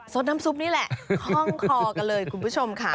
สดน้ำซุปนี่แหละห้องคอกันเลยคุณผู้ชมค่ะ